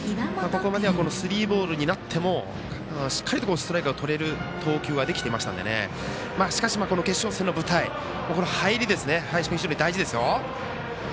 スリーボールになってもしっかりとストライクをとれる投球はできていましたのでしかし、この決勝戦の舞台入り、林君、大事ですよ。